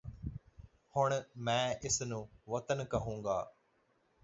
ਹੁਣ ਮੈਂ ਕਿਸ ਨੂੰ ਵਤਨ ਕਹੂੰਗਾ